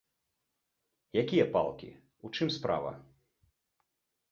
Якія палкі, у чым справа?